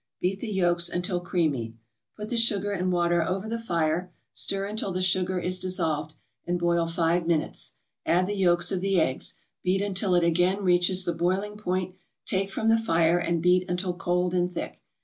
Beat the yolks until creamy. Put the sugar and water over the fire, stir until the sugar is dissolved, and boil five minutes; add the yolks of the eggs, beat until it again reaches the boiling point, take from the fire and beat until cold and thick.